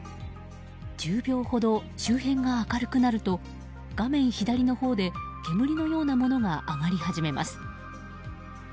１０秒ほど周辺が明るくなると画面左のほうで煙のようなものが上がり始めます。